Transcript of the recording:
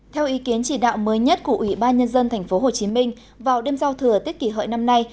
theo ý kiến chỉ đạo mới nhất của ủy ban nhân dân tp hcm vào đêm giao thừa tết kỷ hợi năm nay